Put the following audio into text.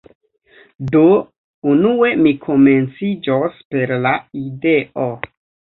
Do, unue mi komenciĝos per la ideo